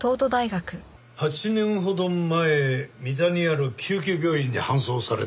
８年ほど前三田にある救急病院に搬送されてた。